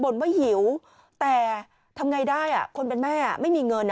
บ่นว่าหิวแต่ทำอย่างไรได้คนเป็นแม่ไม่มีเงิน